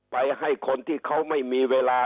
ให้คนที่เขาไม่มีเวลา